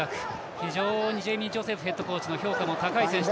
非常にジョセフヘッドコーチの評価も高い選手。